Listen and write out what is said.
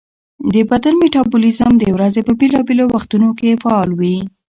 د بدن میټابولیزم د ورځې په بېلابېلو وختونو کې فعال وي.